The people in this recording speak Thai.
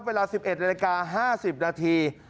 เวลา๑๑นาฬิกา๕๐นาที